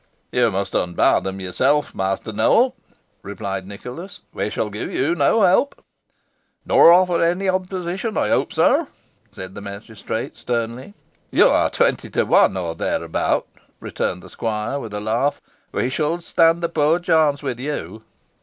"You must unbar them yourself, Master Nowell," replied Nicholas. "We shall give you no help." "Nor offer any opposition, I hope, sir?" said the magistrate, sternly. "You are twenty to one, or thereabout," returned the squire, with a laugh; "we shall stand a poor chance with you."